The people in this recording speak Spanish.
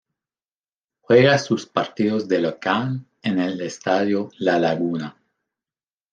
Juega sus partidos de local en el Estadio La Laguna.